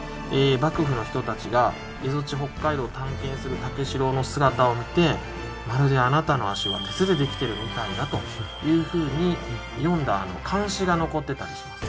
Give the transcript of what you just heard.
幕府の人たちが蝦夷地北海道を探検する武四郎の姿を見てまるであなたの足は鉄でできてるみたいだというふうに詠んだ漢詩が残ってたりします。